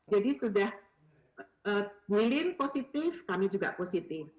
jadi sudah gwilin positif kami juga positif